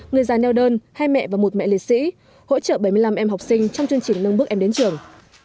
người già neo đơn hai mẹ và một mẹ liệt sĩ hỗ trợ bảy mươi năm em học sinh trong chương trình nâng bước em đến trường